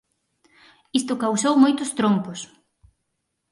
Isto causou moitos trompos.